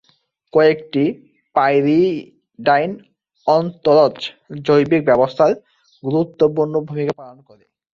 কয়েকটি পাইরিডাইন অন্তরজ জৈবিক ব্যবস্থায় গুরুত্বপূর্ণ ভূমিকা পালন করে।